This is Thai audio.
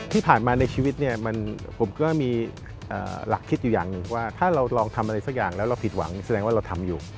ที่ผ่านมาในชีวิตเนี่ยผมก็มีหลักคิดอยู่อย่างหนึ่งว่าถ้าเราลองทำอะไรสักอย่างแล้วเราผิดหวังแสดงว่าเราทำอยู่